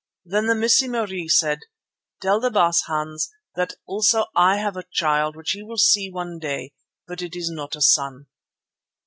Then the Missie Marie said: 'Tell the Baas, Hans, that I also have a child which he will see one day, but it is not a son.